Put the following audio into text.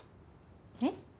えっ？